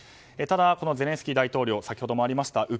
ただ、ゼレンスキー大統領先ほどもありました